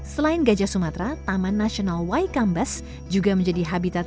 selain gajah sumatera taman nasional waikambas juga menjadi habitat